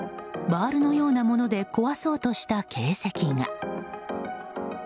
バールのようなもので壊そうとした形跡が。